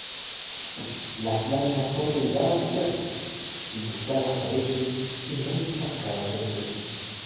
Las láminas son delgadas y frágiles, bifurcadas a veces y muy espaciadas entre sí.